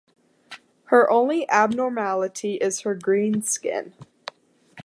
Her only abnormality is her green skin.